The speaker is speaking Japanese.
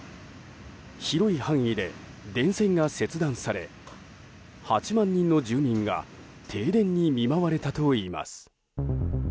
広い範囲で電線が切断され８万人の住民が停電に見舞われたといいます。